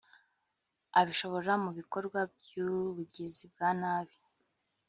abishora mu bikorwa by’ubugizi bwa nabi